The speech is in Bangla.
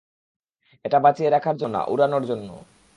এটা বাঁচিয়ে রাখার জন্য না, উড়ানোর জন্য!